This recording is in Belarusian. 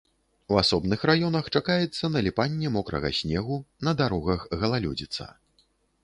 У асобных раёнах чакаецца наліпанне мокрага снегу, на дарогах галалёдзіца.